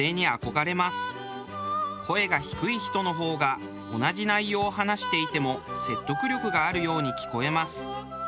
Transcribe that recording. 声が低い人の方が同じ内容を話していても説得力があるように聞こえます。